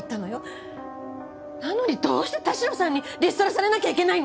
なのにどうして田代さんにリストラされなきゃいけないの！？